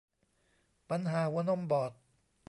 ปัญหาหัวนมบอด